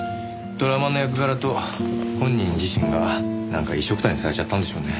ドラマの役柄と本人自身がなんか一緒くたにされちゃったんでしょうね。